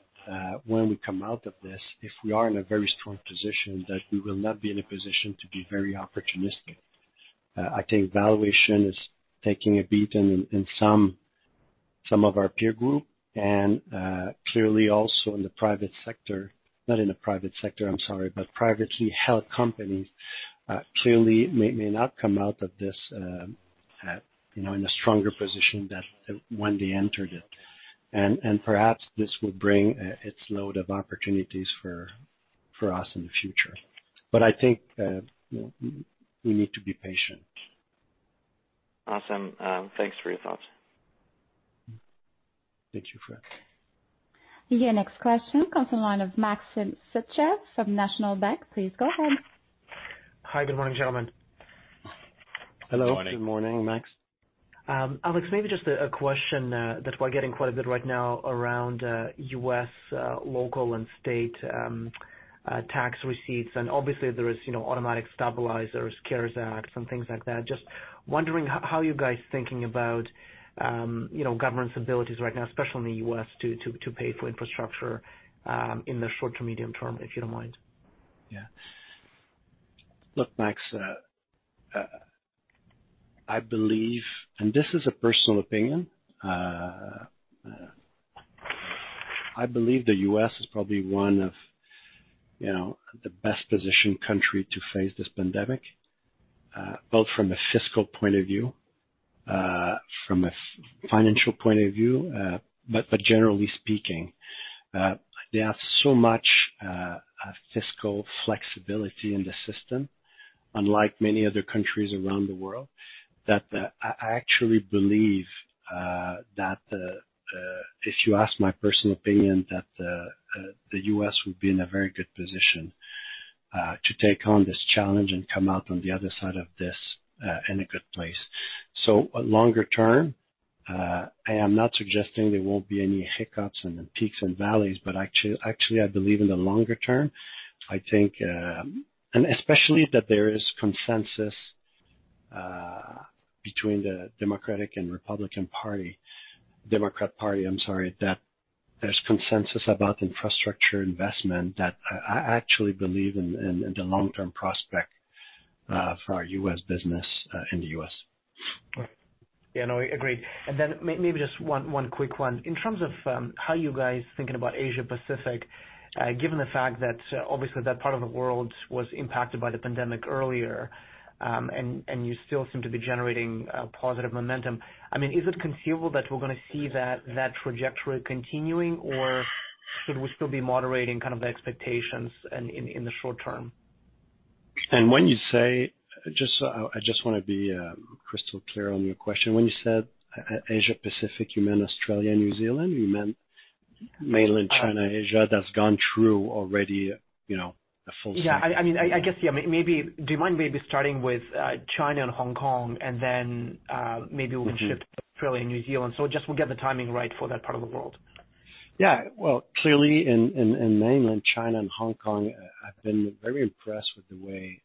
C: when we come out of this, if we are in a very strong position, that we will not be in a position to be very opportunistic. I think valuation is taking a beat in some of our peer group. And clearly, also in the private sector, not in the private sector, I'm sorry, but privately held companies clearly may not come out of this in a stronger position than when they entered it. And perhaps this will bring its load of opportunities for us in the future. But I think we need to be patient.
H: Awesome. Thanks for your thoughts.
C: Thank you, Fred.
A: Your next question comes from the line of Max Sytchev from National Bank Financial. Please go ahead.
I: Hi. Good morning, gentlemen.
C: Hello. Good morning. Good morning, Max.
I: Alex, maybe just a question that we're getting quite a bit right now around U.S. local and state tax receipts. And obviously, there are automatic stabilizers, CARES Act, and things like that. Just wondering how you guys are thinking about government's abilities right now, especially in the U.S., to pay for infrastructure in the short to medium term, if you don't mind.
C: Yeah. Look, Max, I believe, and this is a personal opinion, I believe the U.S. is probably one of the best-positioned countries to face this pandemic, both from a fiscal point of view, from a financial point of view, but generally speaking. There's so much fiscal flexibility in the system, unlike many other countries around the world, that I actually believe that if you ask my personal opinion, that the U.S. would be in a very good position to take on this challenge and come out on the other side of this in a good place. So longer term, I am not suggesting there won't be any hiccups and peaks and valleys. But actually, I believe in the longer term, I think, and especially that there is consensus between the Democratic and Republican Party, Democrat Party. I'm sorry, that there's consensus about infrastructure investment that I actually believe in the long-term prospect for our U.S. business in the U.S. Right.
I: Yeah. No, I agree. Then maybe just one quick one. In terms of how you guys are thinking about Asia-Pacific, given the fact that obviously that part of the world was impacted by the pandemic earlier and you still seem to be generating positive momentum, I mean, is it conceivable that we're going to see that trajectory continuing, or should we still be moderating kind of the expectations in the short term?
C: When you say, just so I want to be crystal clear on your question. When you said Asia-Pacific, you meant Australia and New Zealand? You meant mainland China, Asia that's gone through already a full cycle?
I: Yeah. I mean, I guess, yeah, maybe do you mind maybe starting with China and Hong Kong, and then maybe we can shift to Australia and New Zealand? So just we'll get the timing right for that part of the world.
C: Yeah. Well, clearly, in mainland China and Hong Kong, I've been very impressed with the way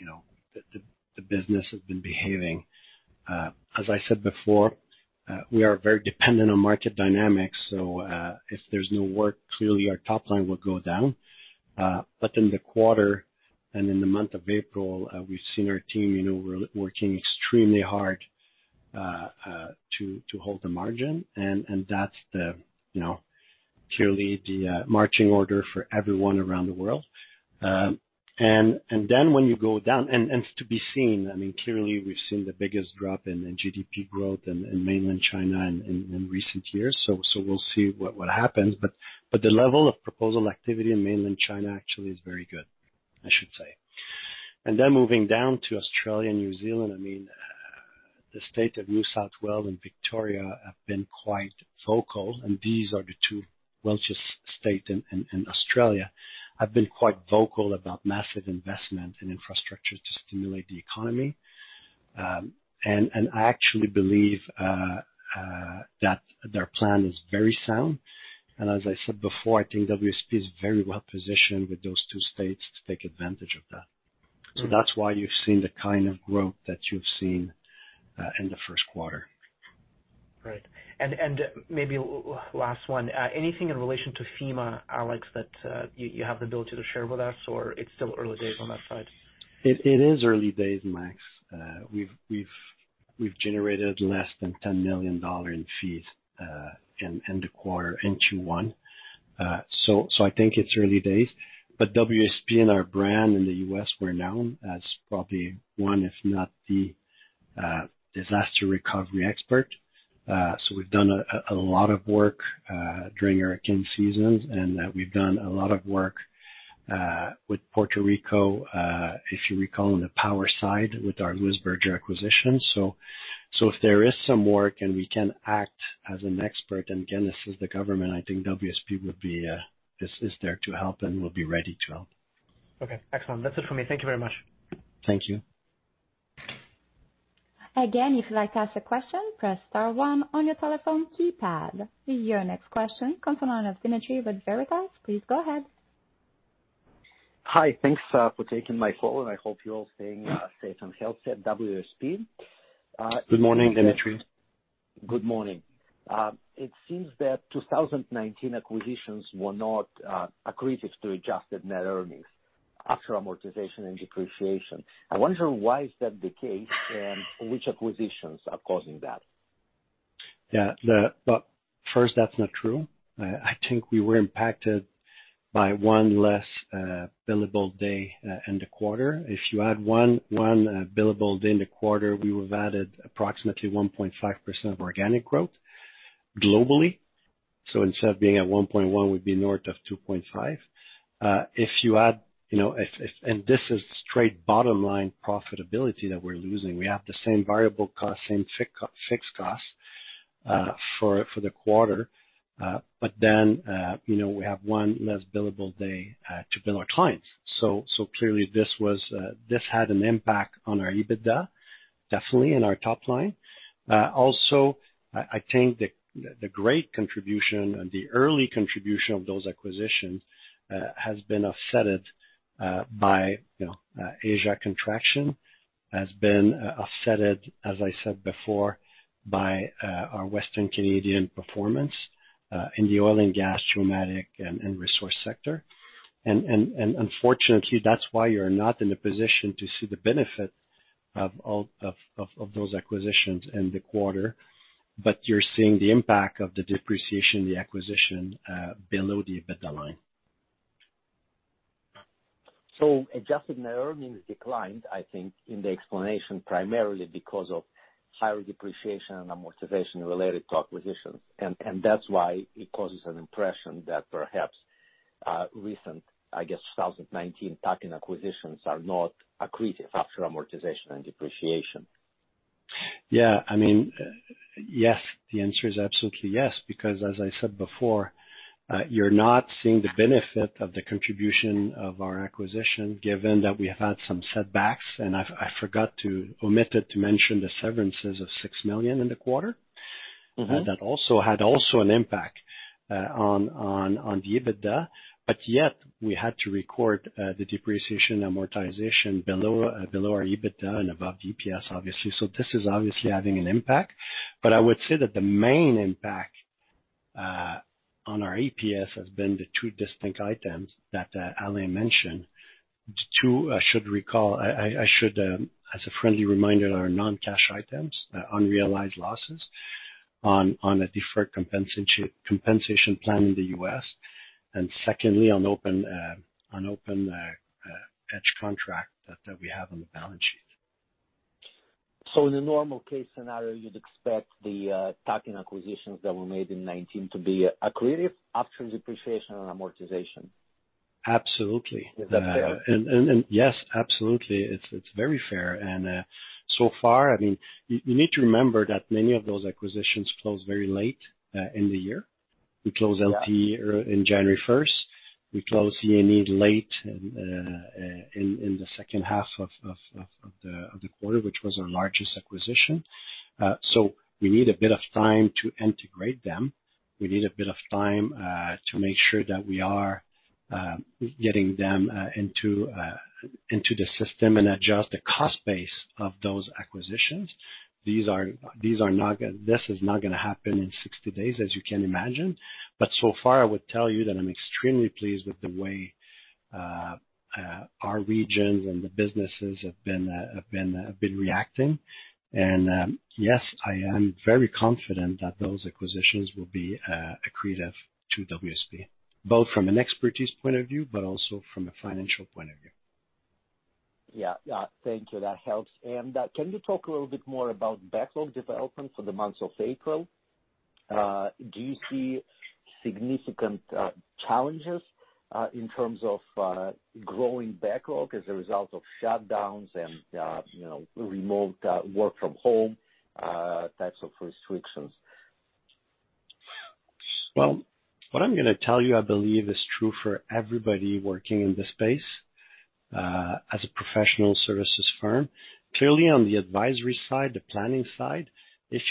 C: the business has been behaving. As I said before, we are very dependent on market dynamics. So if there's no work, clearly, our top line will go down. But in the quarter and in the month of April, we've seen our team working extremely hard to hold the margin. And that's clearly the marching order for everyone around the world. And then when you go down to APAC, I mean, clearly, we've seen the biggest drop in GDP growth in mainland China in recent years. So we'll see what happens. But the level of proposal activity in mainland China actually is very good, I should say. And then moving down to Australia and New Zealand, I mean, the state of New South Wales and Victoria have been quite vocal. And these are the two wealthiest states in Australia. They have been quite vocal about massive investment in infrastructure to stimulate the economy. And I actually believe that their plan is very sound. And as I said before, I think WSP is very well positioned with those two states to take advantage of that. So that's why you've seen the kind of growth that you've seen in the first quarter. Right.
I: Maybe last one, anything in relation to FEMA, Alex, that you have the ability to share with us, or it's still early days on that side?
C: It is early days, Max. We've generated less than $10 million in fees in the first quarter. So I think it's early days. But WSP and our brand in the U.S., we're known as probably one, if not the disaster recovery expert. So we've done a lot of work during hurricane seasons, and we've done a lot of work with Puerto Rico, if you recall, on the power side with our Louis Berger acquisition. So if there is some work and we can act as an expert and, again, assist the government, I think WSP is there to help and will be ready to help.
I: Okay. Excellent. That's it for me. Thank you very much.
C: Thank you.
A: Again, if you'd like to ask a question, press star one on your telephone keypad. Your next question comes from Dmitry with Veritas. Please go ahead.
J: Hi. Thanks for taking my call. I hope you're all staying safe and healthy at WSP.
C: Good morning, Dimitri.
J: Good morning. It seems that 2019 acquisitions were not accretive to Adjusted Net Earnings after amortization and depreciation. I wonder why is that the case and which acquisitions are causing that?
C: Yeah. Well, first, that's not true. I think we were impacted by one less billable day in the quarter. If you add one billable day in the quarter, we would have added approximately 1.5% of organic growth globally. So instead of being at 1.1, we'd be north of 2.5. If you add, and this is straight bottom-line profitability that we're losing. We have the same variable cost, same fixed cost for the quarter, but then we have one less billable day to bill our clients. So clearly, this had an impact on our EBITDA, definitely in our top line. Also, I think the great contribution and the early contribution of those acquisitions has been offset by Asia contraction, as I said before, by our Western Canadian performance in the oil and gas, geomatics, and resource sector, and unfortunately, that's why you're not in a position to see the benefit of those acquisitions in the quarter, but you're seeing the impact of the depreciation and the acquisition below the EBITDA line,
J: So adjusted net earnings declined, I think, in the explanation primarily because of higher depreciation and amortization related to acquisitions. And that's why it causes an impression that perhaps recent, I guess, 2019 tactical acquisitions are not accretive after amortization and depreciation.
C: Yeah. I mean, yes, the answer is absolutely yes. Because as I said before, you're not seeing the benefit of the contribution of our acquisition, given that we have had some setbacks. And I forgot to mention the severances of 6 million in the quarter. That also had an impact on the EBITDA. But yet, we had to record the depreciation amortization below our EBITDA and above EPS, obviously. So this is obviously having an impact. But I would say that the main impact on our EPS has been the two distinct items that Alain mentioned. The two, I should recall, as a friendly reminder, are non-cash items, unrealized losses on a deferred compensation plan in the U.S. Secondly, on the open-ended contract that we have on the balance sheet. So in a normal case scenario, you'd expect the tack-on acquisitions that were made in 2019 to be accretive after depreciation and amortization. Absolutely. Is that fair? And yes, absolutely. It's very fair. And so far, I mean, you need to remember that many of those acquisitions closed very late in the year. We closed LB on January 1st. We closed E&E late in the second half of the year, which was our largest acquisition. So we need a bit of time to integrate them. We need a bit of time to make sure that we are getting them into the system and adjust the cost base of those acquisitions. This is not going to happen in 60 days, as you can imagine. But so far, I would tell you that I'm extremely pleased with the way our regions and the businesses have been reacting. And yes, I am very confident that those acquisitions will be accretive to WSP, both from an expertise point of view, but also from a financial point of view.
J: Yeah. Thank you. That helps. And can you talk a little bit more about backlog development for the months of April? Do you see significant challenges in terms of growing backlog as a result of shutdowns and remote work-from-home types of restrictions?
C: Well, what I'm going to tell you, I believe, is true for everybody working in the space as a professional services firm. Clearly, on the advisory side, the planning side, if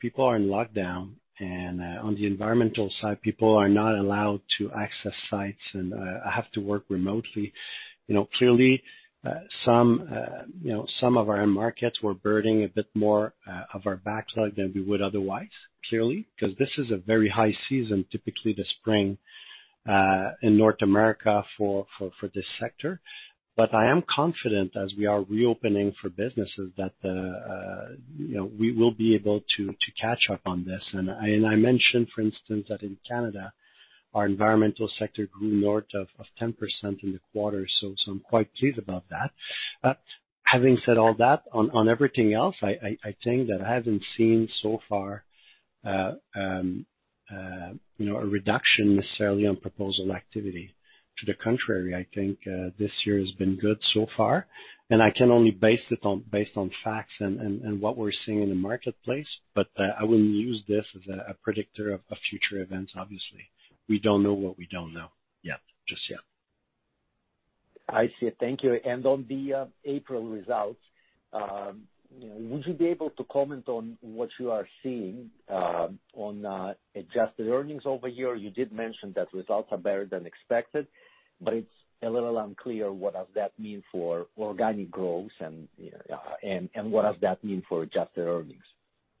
C: people are in lockdown and on the environmental side, people are not allowed to access sites and have to work remotely, clearly, some of our markets were burning a bit more of our backlog than we would otherwise, clearly, because this is a very high season, typically the spring in North America for this sector. But I am confident, as we are reopening for businesses, that we will be able to catch up on this. And I mentioned, for instance, that in Canada, our environmental sector grew north of 10% in the quarter. So I'm quite pleased about that. Having said all that, on everything else, I think that I haven't seen so far a reduction necessarily on proposal activity. To the contrary, I think this year has been good so far. I can only base it on facts and what we're seeing in the marketplace. I wouldn't use this as a predictor of future events, obviously. We don't know what we don't know yet, just yet. I see.
J: Thank you. On the April results, would you be able to comment on what you are seeing on adjusted earnings over here? You did mention that results are better than expected, but it's a little unclear what does that mean for organic growth and what does that mean for adjusted earnings.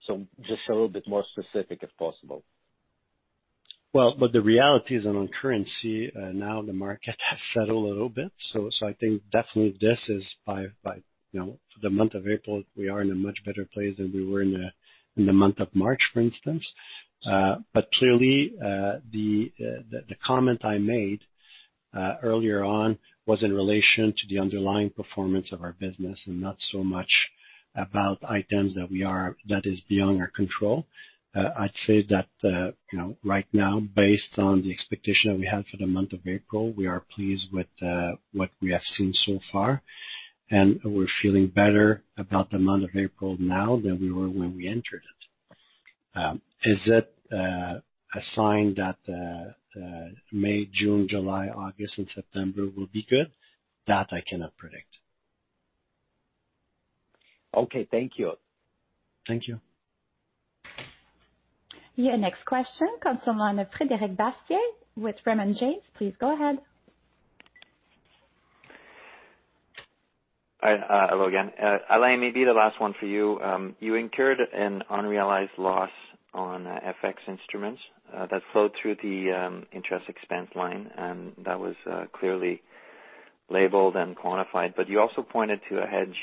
C: So just a little bit more specific, if possible. The reality is, and in currency now, the market has settled a little bit. So I think definitely this is by the month of April, we are in a much better place than we were in the month of March, for instance. But clearly, the comment I made earlier on was in relation to the underlying performance of our business and not so much about items that is beyond our control. I'd say that right now, based on the expectation that we had for the month of April, we are pleased with what we have seen so far. And we're feeling better about the month of April now than we were when we entered it. Is it a sign that May, June, July, August, and September will be good? That I cannot predict.
J: Okay. Thank you. Thank you.
A: Your next question comes from Frédéric Bastien with Raymond James. Please go ahead.
H: Hello again. Alain, maybe the last one for you. You incurred an unrealized loss on FX instruments that flowed through the interest expense line. And that was clearly labeled and quantified. But you also pointed to a hedge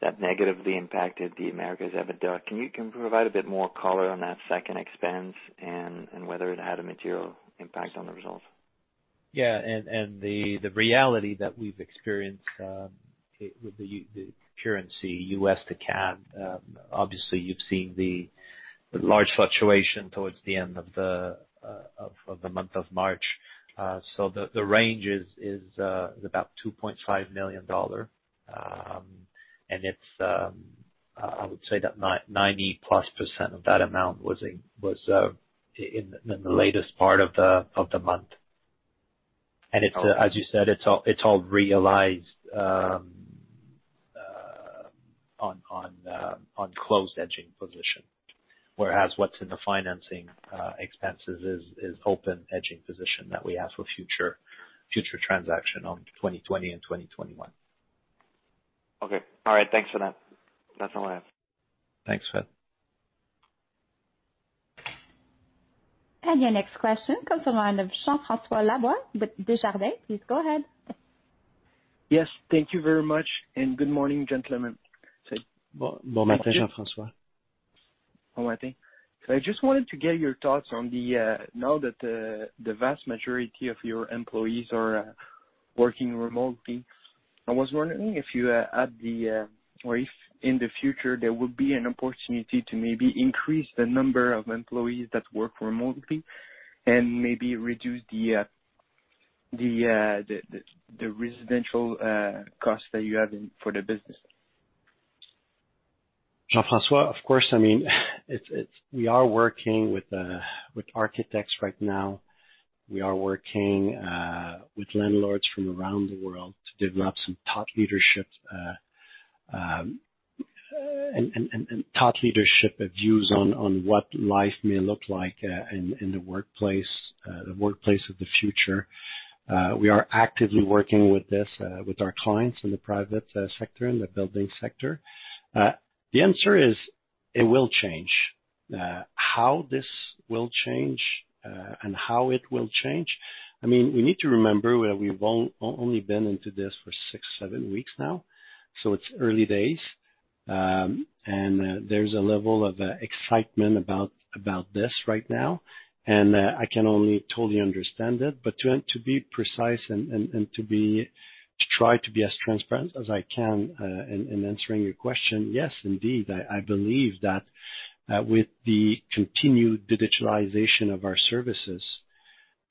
H: that negatively impacted the Americas EBITDA. Can you provide a bit more color on that second expense and whether it had a material impact on the results?
D: Yeah. And the reality that we've experienced with the currency US to CAD, obviously, you've seen the large fluctuation towards the end of the month of March. So the range is about $2.5 million. And I would say that 90-plus% of that amount was in the latest part of the month. And as you said, it's all realized on closed hedging position. Whereas what's in the financing expenses is open hedging position that we have for future transaction on 2020 and 2021.
H: Okay. All right. Thanks for that. That's all I have.
C: Thanks, Fred.
A: And your next question comes from Jean-François Labbé with Desjardins. Please go ahead. Yes. Thank you very much.
K: Good morning, gentlemen. Bon matin, Jean-François. Bon matin. I just wanted to get your thoughts on, now that the vast majority of your employees are working remotely. I was wondering if you had the, or if in the future, there would be an opportunity to maybe increase the number of employees that work remotely and maybe reduce the real estate costs that you have for the business.
B: Jean-François, of course, I mean, we are working with architects right now. We are working with landlords from around the world to develop some thought leadership and thought leadership views on what life may look like in the workplace, the workplace of the future. We are actively working with this with our clients in the private sector and the building sector. The answer is it will change. How this will change, I mean, we need to remember we've only been into this for six, seven weeks now. So it's early days, and there's a level of excitement about this right now, and I can only totally understand it, but to be precise and to try to be as transparent as I can in answering your question, yes, indeed, I believe that with the continued digitalization of our services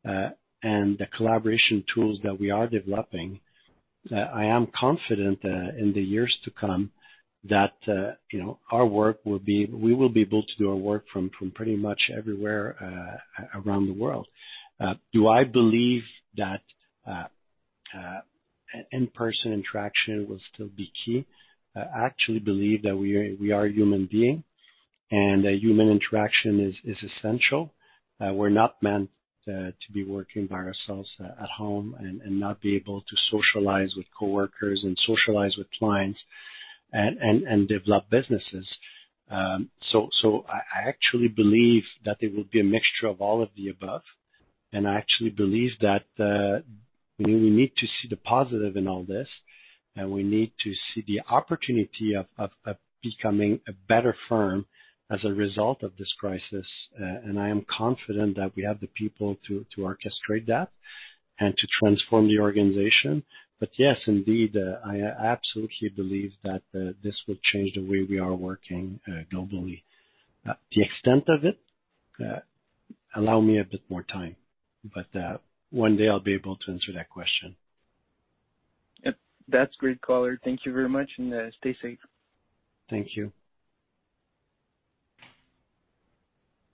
B: and the collaboration tools that we are developing, I am confident in the years to come that we will be able to do our work from pretty much everywhere around the world. Do I believe that in-person interaction will still be key? I actually believe that we are human beings, and human interaction is essential. We're not meant to be working by ourselves at home and not be able to socialize with coworkers and socialize with clients and develop businesses. So I actually believe that there will be a mixture of all of the above. And I actually believe that we need to see the positive in all this. And we need to see the opportunity of becoming a better firm as a result of this crisis. And I am confident that we have the people to orchestrate that and to transform the organization. But yes, indeed, I absolutely believe that this will change the way we are working globally. The extent of it. Allow me a bit more time. But one day, I'll be able to answer that question.
K: That's great, Quentin. Thank you very much. And stay safe.
B: Thank you.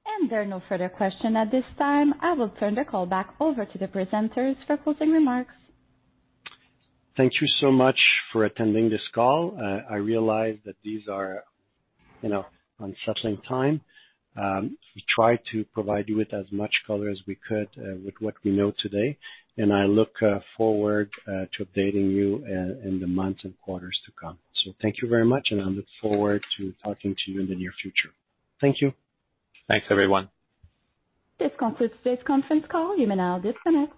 A: And there are no further questions at this time. I will turn the call back over to the presenters for closing remarks.
B: Thank you so much for attending this call. I realize that these are unsettling times. We tried to provide you with as much color as we could with what we know today. And I look forward to updating you in the months and quarters to come. So thank you very much. And I look forward to talking to you in the near future. Thank you.
C: Thanks, everyone.
A: This concludes today's conference call. You may now disconnect.